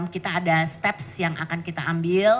kita ada steps yang akan kita ambil